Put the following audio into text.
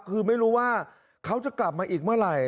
คือไม่รู้ว่าเขาจะกลับมาอีกเมื่อไหร่